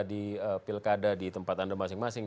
di pilkada di tempat anda masing masing